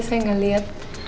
saya enggak lihat